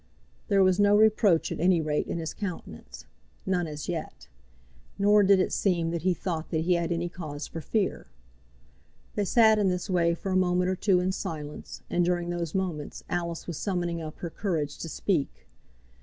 There was no reproach at any rate in his countenance; none as yet; nor did it seem that he thought that he had any cause for fear. They sat in this way for a moment or two in silence, and during those moments Alice was summoning up her courage to speak.